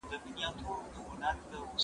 خورئ، چښئ، حساب مه منئ، راځئ، ږغ مي اورئ